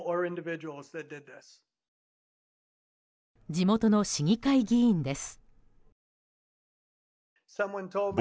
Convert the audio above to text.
地元の市議会議員です。